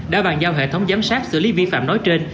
đã bàn giao hệ thống giám sát xử lý vi phạm nói trên